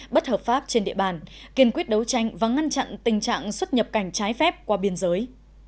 bất hợp pháp trên địa bàn kiên quyết đấu tranh và ngăn chặn tình trạng xuất nhập cảnh trái phép qua biên giới